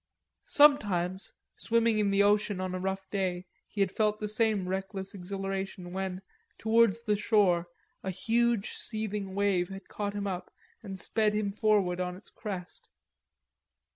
Sometimes, swimming in the ocean on a rough day, he had felt that same reckless exhilaration when, towards the shore, a huge seething wave had caught him up and sped him forward on its crest.